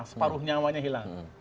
separuh nyawanya hilang